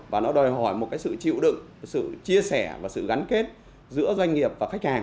và nó đòi hỏi một cái sự chịu đựng sự chia sẻ và sự gắn kết giữa doanh nghiệp và khách hàng